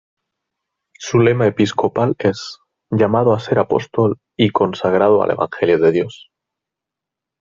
Su lema episcopal es ""Llamado a ser apóstol y consagrado al Evangelio de Dios"".